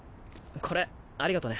これありがとね。